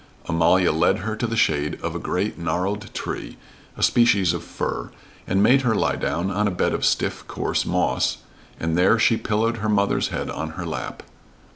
Amalia led her to the shade of a great gnarled tree, a species of fir, and made her lie down on a bed of stiff, coarse moss, and there she pillowed her mother's head on her lap.